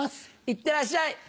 いってらっしゃい！